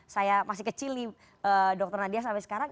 saya masih kecil nih dokter nadia sampai sekarang